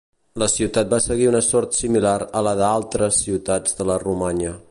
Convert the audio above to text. La ciutat va seguir una sort similar a la d'altres ciutats de la Romanya.